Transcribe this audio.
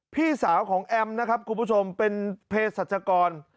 พี่สาวของแอมนะครับคุณผู้ชมเป็นเพศสัจกร